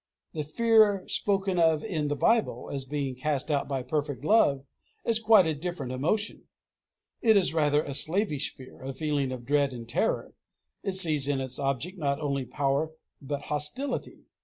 The fear spoken of in the Bible, as being cast out by perfect love, is quite a different emotion. It is rather a slavish fear, a feeling of dread and terror. It sees in its object not only power but hostility.